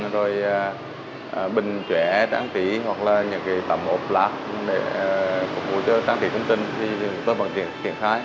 rồi bình chẻ trang trí hoặc là những cái tầm ộp lạc để phục vụ cho trang trí công ty thì tôi vẫn triển khai